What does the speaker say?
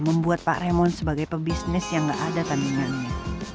membuat pak raymond sebagai pebisnis yang gak ada tandingannya